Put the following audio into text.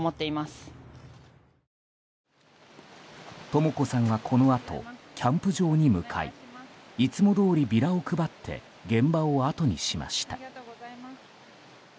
とも子さんは、このあとキャンプ場に向かいいつもどおり、ビラを配って現場を後にしました。